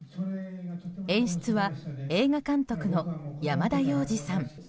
演出は映画監督の山田洋次さん。